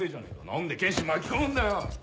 何で剣心巻き込むんだよ！